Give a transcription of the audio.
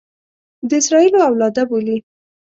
د اسراییلو اولاده بولي.